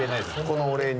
このお礼に。